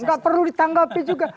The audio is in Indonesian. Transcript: enggak perlu ditanggapi juga